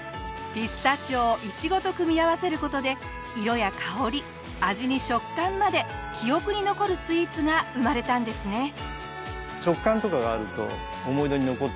ピスタチオをイチゴと組み合わせる事で色や香り味に食感まで記憶に残るスイーツが生まれたんですね。